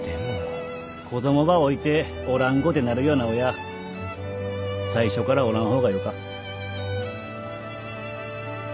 子供ば置いておらんごてなるような親最初からおらん方がよか。